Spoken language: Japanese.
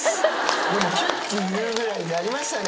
でも、きゅっきゅいうぐらいになりましたね。